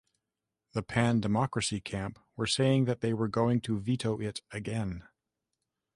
The pan-democracy camp were saying they were going to veto it again.